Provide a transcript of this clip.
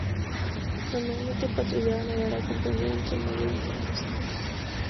Normalmente patrullaba el área comprendida entre Melilla y Alhucemas.